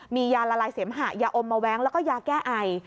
มียาละลายเสมหะยาอมมาแว้งแล้วก็ยาแก้ไอ